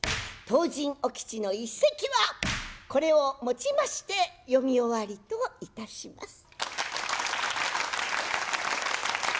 「唐人お吉」の一席はこれをもちまして読み終わりといたします。